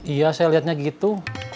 iya saya lihatnya begitu